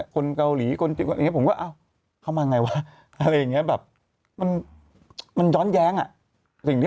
คนเกาหลีคนเกาหลีผมก็เอ้าเข้ามาไงวะอะไรอย่างนี้